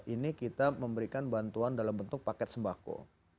ini kita memberikan bantuan dalam bentuk paket sembako